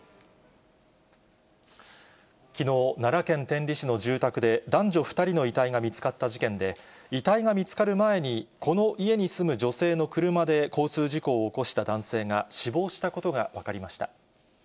きのう、奈良県天理市の住宅で、男女２人の遺体が見つかった事件で、遺体が見つかる前に、この家に住む女性の車で交通事故を起こした男性が死亡したことが分かりました。